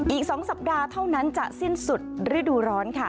อีก๒สัปดาห์เท่านั้นจะสิ้นสุดฤดูร้อนค่ะ